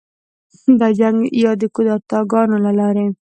د جنګ یا کودتاه ګانو له لارې